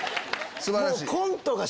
素晴らしい！